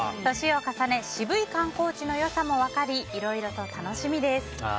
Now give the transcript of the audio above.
年を重ね渋い観光地の良さも分かりいろいろと楽しみです。